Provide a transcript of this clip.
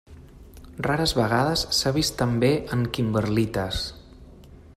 Rares vegades s'ha vist també en kimberlites.